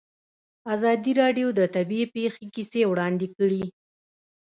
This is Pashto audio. ازادي راډیو د طبیعي پېښې کیسې وړاندې کړي.